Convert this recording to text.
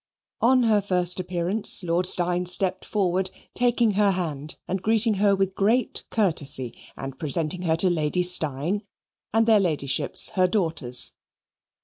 On her first appearance Lord Steyne stepped forward, taking her hand, and greeting her with great courtesy, and presenting her to Lady Steyne, and their ladyships, her daughters.